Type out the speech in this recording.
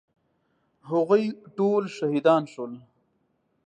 هغوی ټول شهیدان شول.